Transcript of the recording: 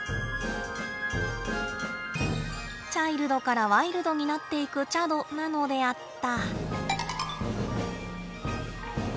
チャイルドからワイルドになっていくチャドなのであった。